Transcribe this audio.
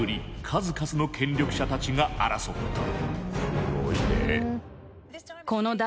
数々の権力者たちが争った。